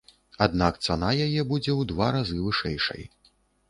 Аднак цана яе будзе ў два разы вышэйшай.